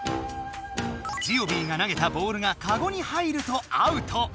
ジオビーがなげたボールがかごにはいるとアウト脱落だ！